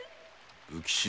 浮島！